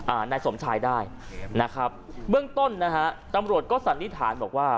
นายสมชายได้นะครับเบื้องต้นนะฮะตำรวจก็สันนิษฐานบอกว่า